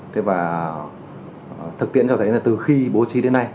thực tiễn cho thấy là từ khi bố trí đến nay